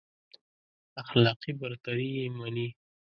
اخلاقي برتري يې مني.